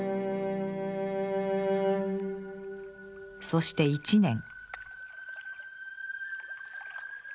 そして１年。